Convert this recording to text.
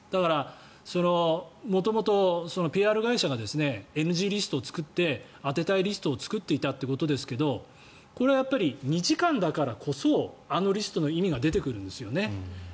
だから、元々ＰＲ会社がＮＧリストを作って当てたいリストを作っていたということですけどこれは２時間だからこそあのリストの意味が出てくるんですよね。